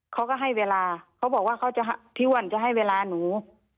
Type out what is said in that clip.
เขาก็ให้เวลาเขาบอกว่าเขาจะพี่อ้วนจะให้เวลาหนู